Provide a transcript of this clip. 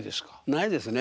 ないですね。